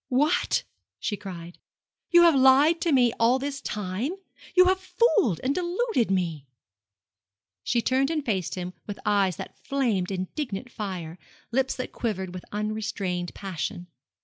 'What?' she cried. 'You have lied to me all this time you have fooled and deluded me!' She turned and faced him with eyes that flamed indignant fire, lips that quivered with unrestrained passion.